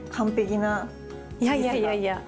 いやいやいやいや。